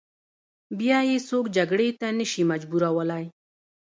بیا یې څوک جګړې ته نه شي مجبورولای.